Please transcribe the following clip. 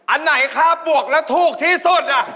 อันไหนค่าบวกแล้วถูกที่สุด